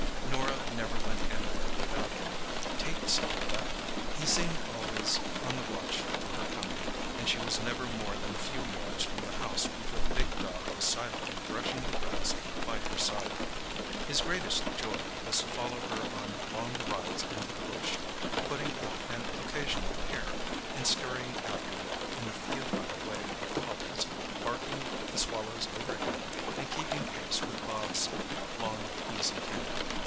Norah never went anywhere without him; Tait saw to that. He seemed always on the watch for her coming, and she was never more than a few yards from the house before the big dog was silently brushing the grass by her side. His greatest joy was to follow her on long rides into the bush, putting up an occasional hare and scurrying after it in the futile way of collies, barking at the swallows overhead, and keeping pace with Bobs' long, easy canter.